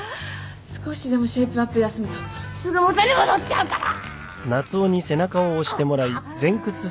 少しでもシェイプアップ休むとすぐ元に戻っちゃうからあっ。